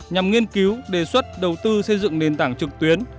nhằm nghiên cứu đề xuất đầu tư xây dựng nền tảng trực tuyến